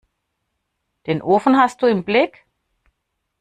Den Ofen hast du im Blick?